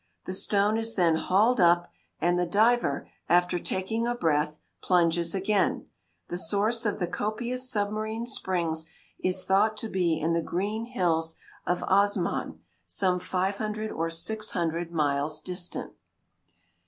The stone is then hauled up, and the diver, after taking a breath, plunges again. The source of the copious submarine springs is thought to be in the green hills of Osman, some 500 or 600 miles distant.